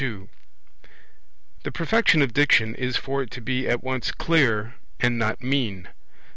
22 The perfection of Diction is for it to be at once clear and not mean.